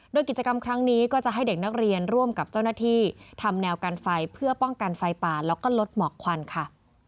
โดยกิจกรรมครั้งนี้ก็จะให้เด็กนักเรียนร่วมกับเจ้าหน้าที่ทำแนวกันไฟเพื่อป้องกันไฟป่าแล้วก็ลดหมอกควันค่ะ